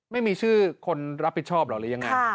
ไม่มีชื่อคนรับผิดชอบหรอก